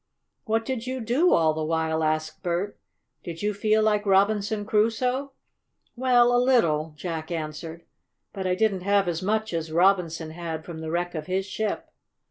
"What did you do all the while?" asked Bert. "Did you feel like Robinson Crusoe?" "Well a little," Jack answered. "But I didn't have as much as Robinson had from the wreck of his ship.